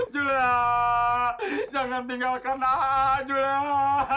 juleha jangan tinggalkan juleha